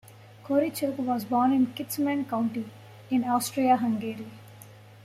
Koreichuk was born in Kitsman county in Austria-Hungary.